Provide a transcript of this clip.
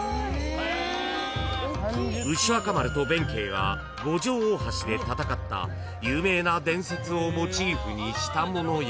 ［牛若丸と弁慶が五条大橋で戦った有名な伝説をモチーフにしたものや］